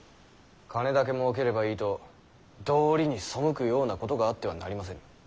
金だけもうければいいと道理に背くようなことがあってはなりませぬ。